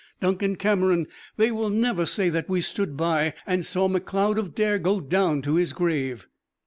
Duncan Cameron, they will never say that we stood by and saw Macleod of Dare go down to his grave!"